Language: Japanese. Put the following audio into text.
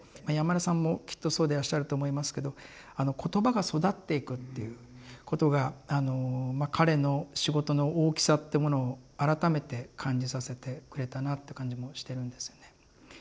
山根さんもきっとそうでらっしゃると思いますけど言葉が育っていくっていうことが彼の仕事の大きさってものを改めて感じさせてくれたなって感じもしてるんですよね。